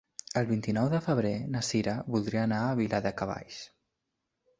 El vint-i-nou de febrer na Sira voldria anar a Viladecavalls.